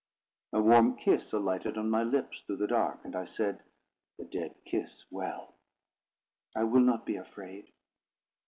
A warm kiss alighted on my lips through the dark. And I said, "The dead kiss well; I will not be afraid."